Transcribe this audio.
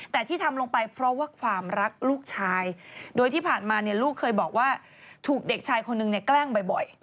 แต่ที่ทำลงไปเพราะว่าความรักลูกชายโดยที่ผ่านมาลูกเคยบอกว่าถูกเด็กชายคนนึงแกล้งบ่อย